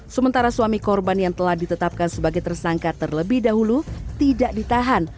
sementara suami korban yang telah ditetapkan sebagai tersangka terlebih dahulu tidak ditahan